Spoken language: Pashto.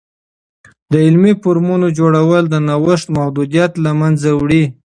د علمي فورمونو جوړول، د نوښت محدودیت له منځه وړي.